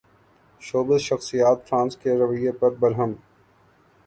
showbiz شخصیات France کے رویے پر برہم